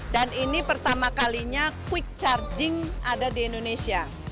dan ini pertama kalinya quick charging ada di indonesia